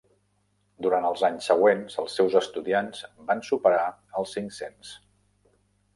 Durant els anys següents els seus estudiants van superar els cinc-cents.